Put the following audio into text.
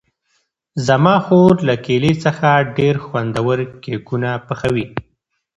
زما خور له کیلې څخه ډېر خوندور کېکونه پخوي.